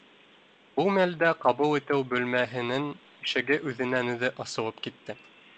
Был мәлдә ҡабул итеү бүлмә һенең ишеге үҙенән-үҙе асылып китте